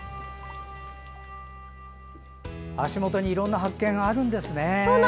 足元にいろんな発見あるんですね。